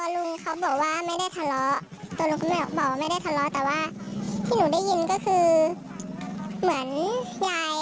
ร้องเสียงดังอะไรเชิงประมาณนั้น